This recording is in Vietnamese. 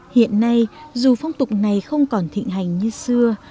hiện nay dù phong tục này không còn thịnh hành như xưa